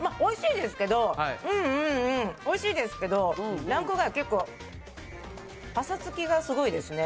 おいしいですけど、うんうんうん、おいしいですけど、ランク外、結構、ぱさつきがすごいですね。